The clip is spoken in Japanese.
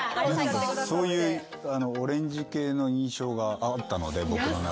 そういうオレンジ系の印象があったので僕の中で。